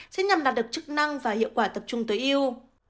sẽ nhằm đạt được chức năng và hiệu quả tập trung tối yêu